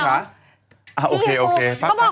ว้าวโอเค